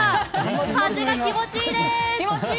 風が気持ちいいです！